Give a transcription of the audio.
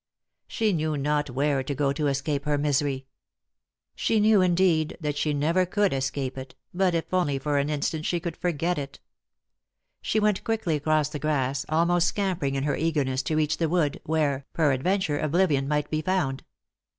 She knew not where to go to escape her misery. She knew, indeed, that she never could escape it, but, ii only for an instant, she could forget it. She went quickly across the grass, almost scampering in her eagerness to reach the wood, where, peradventure, oblivion might be found.